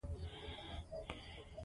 هغوی به په راتلونکي کې بریالي وي.